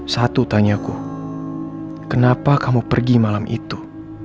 satu tanyaku kenapa kamu pergi malam itu